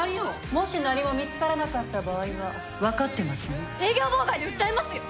もし何も見つからなかった場合は営業妨害で訴えますよ。